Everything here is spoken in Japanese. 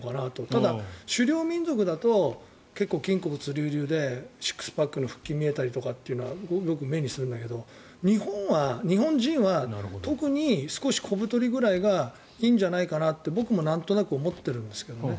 ただ、狩猟民族だと結構、筋骨隆々でシックスパックの腹筋が見えたりとかよく目にするんだけど日本人は特に少し小太りぐらいがいいんじゃないかなって僕もなんとなく思ってるんですけどね。